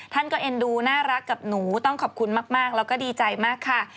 ท่านก็เอ็นดูน่ารักกับหนูต้องขอบคุณมากแล้วก็ดีใจมากค่ะ